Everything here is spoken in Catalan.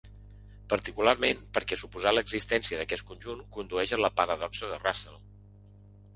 Particularment perquè suposar l'existència d'aquest conjunt condueix a la paradoxa de Russell.